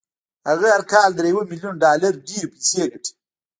هغه هر کال تر يوه ميليون ډالر ډېرې پيسې ګټي.